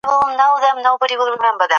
مقابله کول انسان ته ځواک ورکوي.